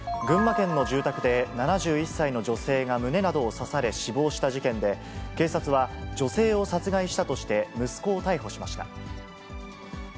群馬県の住宅で、７１歳の女性が胸などを刺され死亡した事件で、警察は女性を殺害したとして、息子を逮捕しました。